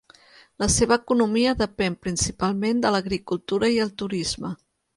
La seva economia depèn principalment de l'agricultura i el turisme.